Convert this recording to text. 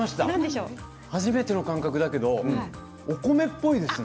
初めての感覚だけどお米っぽいですね。